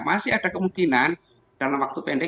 masih ada kemungkinan dalam waktu pendek